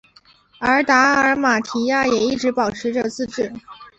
而达尔马提亚也一直保持着自治。